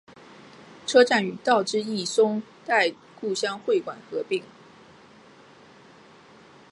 车站与道之驿松代故乡会馆合并。